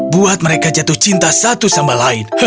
buat mereka jatuh cinta satu sama lain